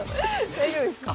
大丈夫ですか？